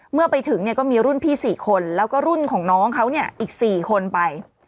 เมื่อไปถึงเนี่ยก็มีรุ่นพี่๔คนแล้วก็รุ่นของน้องเขาเนี่ยอีก๔คนไป